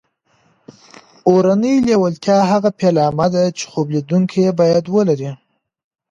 اورنۍ لېوالتیا هغه پیلامه ده چې خوب لیدونکي یې باید ولري